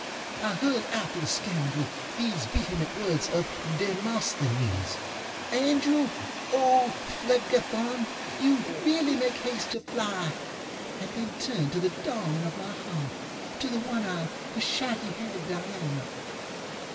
I hurled after the scoundrel these vehement words of DemosthenesŌĆö Andrew OŌĆÖPhlegethon, you really make haste to fly, and then turned to the darling of my heart, to the one eyed! the shaggy haired Diana.